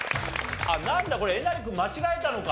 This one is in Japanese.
あっなんだこれえなり君間違えたのか。